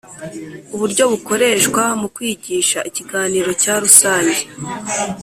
Uburyo bukoreshwa mu kwigisha Ikiganiro cya rusange